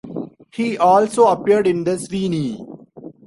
He also appeared in "The Sweeney".